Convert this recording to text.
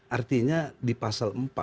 artinya di pasal empat